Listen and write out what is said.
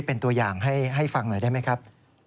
เป็นตัวอย่างให้ฟังหน่อยได้ไหมครับ